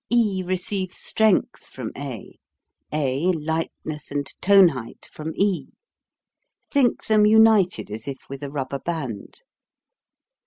e receives strength from a ; a lightness and tone height from e. Think them united as if with a rubber band.